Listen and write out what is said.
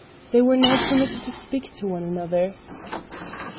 They were now permitted to speak to one another.